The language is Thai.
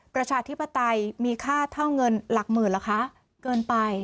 ประชาธิปไตยมีค่าเท่าเงินหลักหมื่นเหรอคะเกินไป